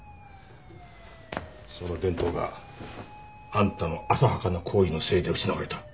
その伝統があんたの浅はかな行為のせいで失われた。